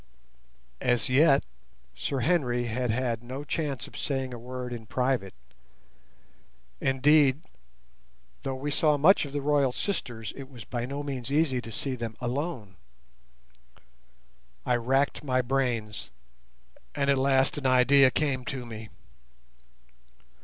As yet, Sir Henry had had no chance of saying a word in private: indeed, though we saw much of the royal sisters, it was by no means easy to see them alone. I racked my brains, and at last an idea came to me.